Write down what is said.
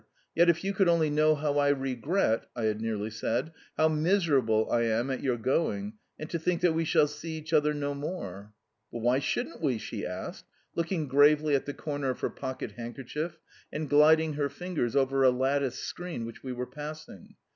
Yet if you could only know how I regret" (I had nearly said) "how miserable I am at your going, and to think that we shall see each other no more!" "But why SHOULDN'T we?" she asked, looking gravely at the corner of her pocket handkerchief, and gliding her fingers over a latticed screen which we were passing.